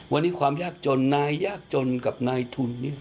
วันนี้ความยากจนนายยากจนกับนายทุน